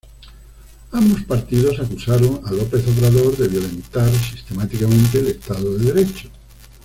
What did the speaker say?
Ambos partidos acusaron a López Obrador de violentar sistemáticamente el estado de derecho.